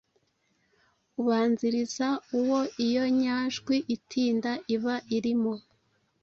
ubanziriza uwo iyo nyajwi itinda iba irimo.